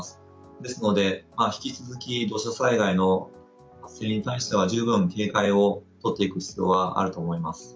ですので、引き続き土砂災害の発生に対しては十分警戒を取っていく必要はあると思います。